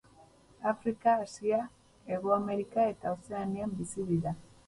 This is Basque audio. Afrika, Asia, Hego Amerika eta Ozeanian bizi dira.